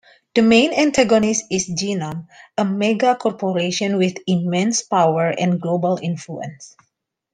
The main antagonist is Genom, a megacorporation with immense power and global influence.